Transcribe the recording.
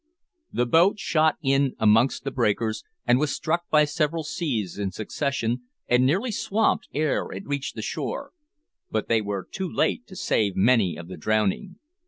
The boat shot in amongst the breakers, and was struck by several seas in succession, and nearly swamped ere it reached the shore. But they were too late to save many of the drowning.